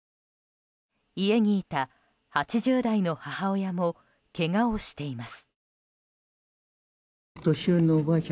家にいた８０代の母親もけがをしています。